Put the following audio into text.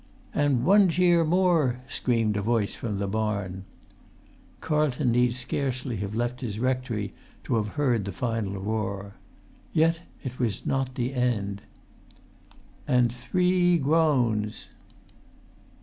"And one cheer more!" screamed a voice from the barn. Carlton need scarcely have left his rectory to have heard the final roar. Yet it was not the end. "And three groans